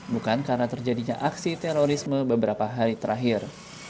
bukan karena terjadinya aksi terorisme beberapa hari terakhir